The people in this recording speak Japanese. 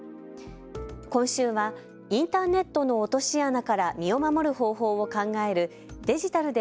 今週はインターネットの落とし穴から身を守る方法を考えるデジタルで！